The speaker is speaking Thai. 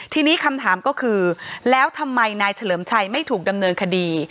ทีนี้คำถามก็คือแล้วทำไมนายเฉลิมชัยไม่ถูกดำเนินคดี